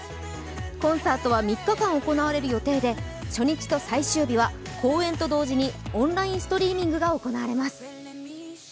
コンサートは３日間行われる予定で初日と最終日は公演と同時にオンラインストリーミングが行われます。